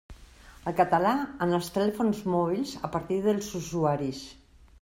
El català en els telèfons mòbils a partir dels usuaris.